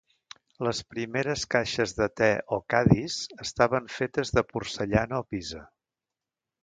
Les primeres caixes de te o "caddies" estaven fetes de porcellana o pisa.